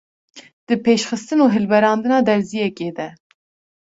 di pêşxistin û hilberandina derziyekê de.